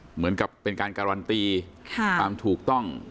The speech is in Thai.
เหมือนกับเป็นการการันตีความถูกต้อง